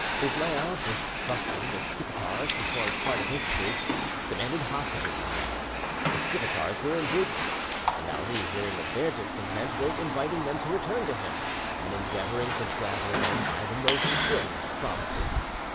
Ismail, distrusting the Skipetars, who formed part of his troops, demanded hostages from them. The Skipetars were indignant, and Ali hearing of their discontent, wrote inviting them to return to him, and endeavouring to dazzle them by the most brilliant promises.